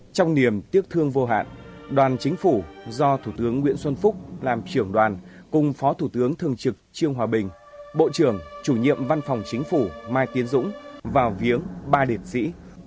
trong niềm tiếc thương vô hạn đoàn chính phủ do thủ tướng nguyễn xuân phúc làm trưởng đoàn cùng phó thủ tướng thường trực trương hòa bình bộ trưởng chủ nhiệm văn phòng chính phủ mai tiến dũng vào viếng ba liệt sĩ